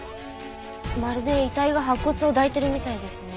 まるで遺体が白骨を抱いてるみたいですね。